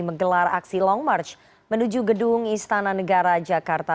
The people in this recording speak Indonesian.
menggelar aksi long march menuju gedung istana negara jakarta